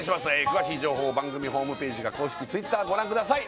詳しい情報番組ホームページか公式Ｔｗｉｔｔｅｒご覧ください